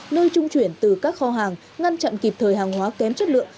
nơi trung chuyển từ các kho hàng ngăn chặn kịp thời hàng hóa kém chất lượng